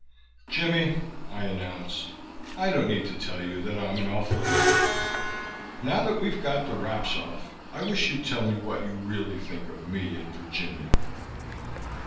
"Jimmie," I announced. "I don't need to tell you that I'm an awful heel. Now that we've got the wraps off I wish you'd tell me what you really think of me and Virginia."